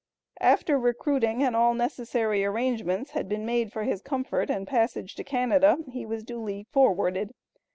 After recruiting, and all necessary arrangements had been made for his comfort and passage to Canada, he was duly forwarded.